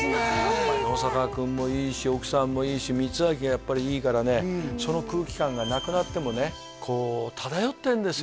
やっぱ野坂君もいいし奧さんもいいし光昭がやっぱりいいからねその空気感がなくなってもねこう漂ってるんですよ